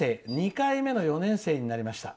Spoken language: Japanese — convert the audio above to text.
２回目の４年生になりました。